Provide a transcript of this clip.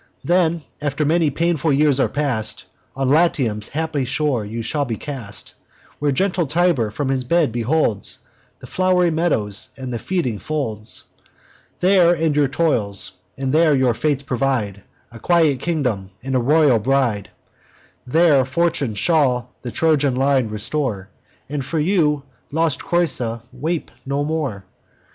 Then, after many painful years are past, On Latium's happy shore you shall be cast, Where gentle Tiber from his bed beholds The flow'ry meadows, and the feeding folds. There end your toils; and there your fates provide A quiet kingdom, and a royal bride: There fortune shall the Trojan line restore, And you for lost Creusa weep no more.